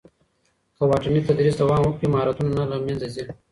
که واټني تدریس دوام وکړي، مهارتونه نه له منځه ځي.